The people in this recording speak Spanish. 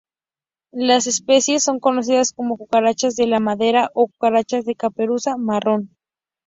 Las especies son conocidas como cucarachas de la madera o cucarachas de caperuza marrón.